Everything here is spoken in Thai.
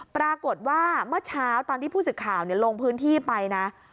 ปรากฏว่าเมื่อเช้าตอนที่ผู้สื่อข่าวลงพื้นที่ไปนะ